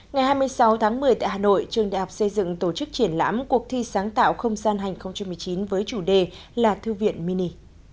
ngày hai mươi sáu tháng một mươi tại hà nội trường đại học xây dựng tổ chức triển lãm cuộc thi sáng tạo không gian hành hai nghìn một mươi chín với chủ đề là thư viện mini